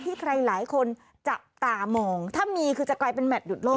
ใครหลายคนจับตามองถ้ามีคือจะกลายเป็นแมทหยุดโลก